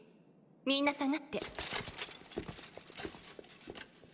みんな下がって。